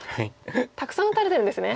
たくさん打たれてるんですね。